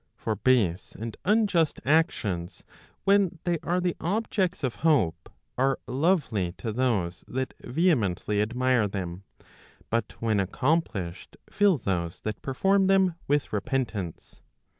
For base and unjust actions, when they are the objects of hope, are lovely to those that vehemently admire them, but when accomplished, fill those that perform them with repentance.